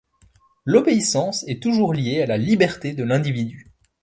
L'obéissance est toujours liée à la liberté de l'individu.